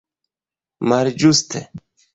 malĝuste